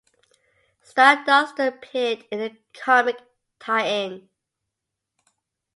Starduster appeared in the comic tie-in.